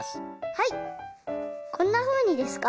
はいこんなふうにですか？